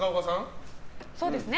そうですね。